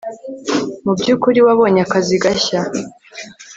Mubyukuri wabonye akazi gashya